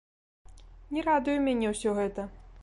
Не радуе мяне ўсё гэта!